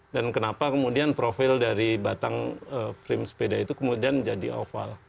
dan kenapa kemudian profil dari batang frame sepeda itu kemudian menjadi oval